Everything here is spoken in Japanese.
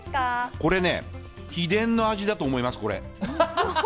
これ、秘伝の味だと思います。